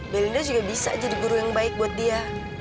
belinda juga bisa jadi guru yang baik buat dia